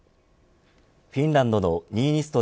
フィンランドのニーニスト